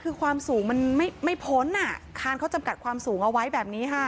คือความสูงมันไม่พ้นอ่ะคานเขาจำกัดความสูงเอาไว้แบบนี้ค่ะ